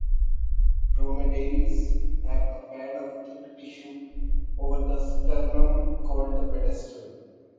Dromedaries have a pad of thick tissue over the sternum called the "pedestal".